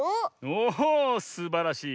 おすばらしい。